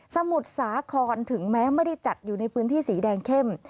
มุทรสาครถึงแม้ไม่ได้จัดอยู่ในพื้นที่สีแดงเข้ม